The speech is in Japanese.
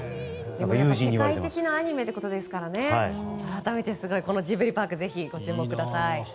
世界的なアニメということですので改めて、すごいジブリパークぜひご注目ください。